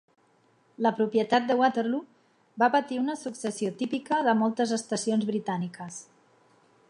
La propietat de Waterloo va patir una successió típica de moltes estacions britàniques.